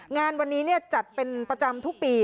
งานวันนี้จัดเป็นประจำทุกปี